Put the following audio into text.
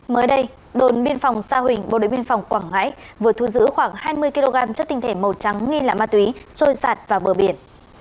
mới đây đồn biên phòng sa huỳnh bộ đội biên phòng quảng ngãi vừa thu giữ khoảng hai mươi kg chất tinh thể màu trắng nghi là ma túy trôi sạt vào bờ biển